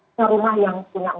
membeli rumah yang punya empat kamar